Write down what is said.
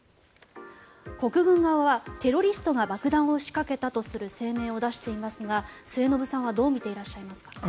国軍側はテロリストが爆弾を仕掛けたとする声明を出していますが末延さんはどう見ていらっしゃいますか？